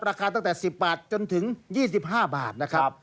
ราคาตั้งแต่๑๐บาทจนถึง๒๕บาทนะครับ